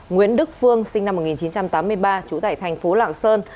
nguyễn đức phương sinh năm một nghìn chín trăm tám mươi ba trú tại thành phố lạng sơn